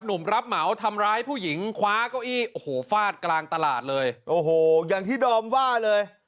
รับเหมาทำร้ายผู้หญิงคว้าเก้าอี้โอ้โหฟาดกลางตลาดเลยโอ้โหอย่างที่ดอมว่าเลย